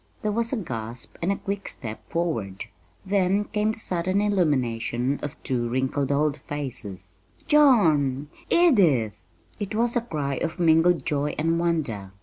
There was a gasp and a quick step forward; then came the sudden illumination of two wrinkled old faces. "John! Edith!" it was a cry of mingled joy and wonder.